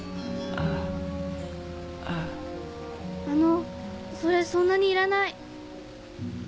あのそれそんなにいらない。